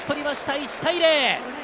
１対０。